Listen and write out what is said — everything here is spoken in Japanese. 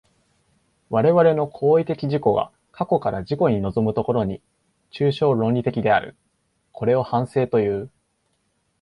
我々の行為的自己が過去から自己に臨む所に、抽象論理的である。これを反省という。